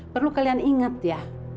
perlu kalian ingat ya